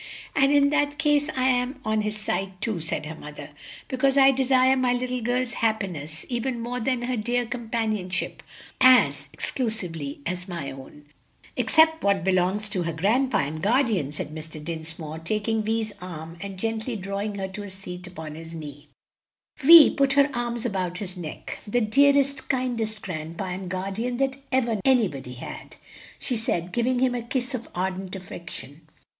"And in that case I am on his side too," said her mother, "because I desire my little girl's happiness even more than her dear companionship as exclusively my own." "Except what belongs to her grandpa and guardian," said Mr. Dinsmore, taking Vi's arm and gently drawing her to a seat upon his knee. Vi put her arms about his neck. "The dearest, kindest grandpa and guardian that ever anybody had!" she said, giving him a kiss of ardent affection.